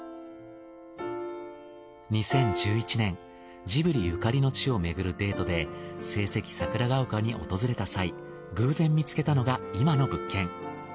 ２０１１年ジブリゆかりの地を巡るデートで聖蹟桜ヶ丘に訪れた際偶然見つけたのが今の物件。